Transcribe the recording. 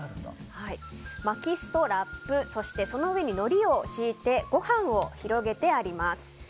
巻き簾とラップ、そしてその上にのりを敷いてご飯を敷いてあります。